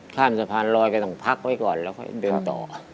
ผ้าสะพานรอยจะต้องพักไว้ก่อนแล้วก็เดินต่อ